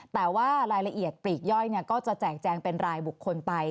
แต่ว่ารายละเอียดปลีกย่อยก็จะแจกแจงเป็นรายบุคคลไป